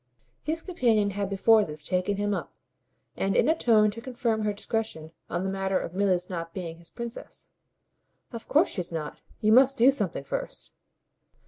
His companion had before this taken him up, and in a tone to confirm her discretion, on the matter of Milly's not being his princess. "Of course she's not. You must do something first."